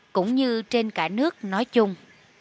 cũng như trên cả nước nói chung